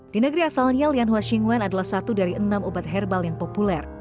di negeri asalnya lian hua shingwen adalah satu dari enam obat herbal yang populer